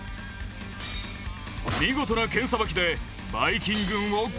見事な剣さばきでバイ菌軍を撃退。